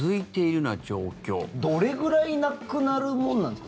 どれぐらいなくなるものなんですか？